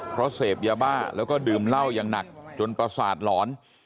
เพราะเสพยาบ้าแล้วก็ดื่มเหล้าอย่างหนักจนประสาทหลอน